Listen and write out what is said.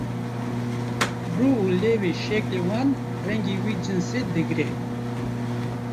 rû û lêvên şeklê wan rengê wî cinsê digre